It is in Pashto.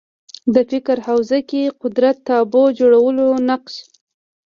د فکر حوزه کې قدرت تابو جوړولو نقش